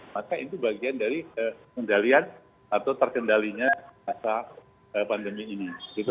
maka itu bagian dari kendalian atau terkendalinya masa pandemi ini